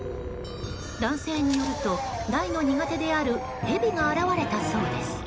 男性によると大の苦手であるヘビが現れたそうです。